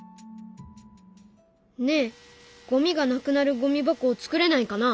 ねえゴミがなくなるゴミ箱を作れないかな。